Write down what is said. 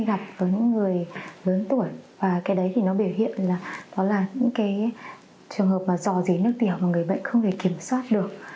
tôi rất hay gặp với những người lớn tuổi và cái đấy thì nó biểu hiện là đó là những trường hợp mà dò dí nước tiểu và người bệnh không thể kiểm soát được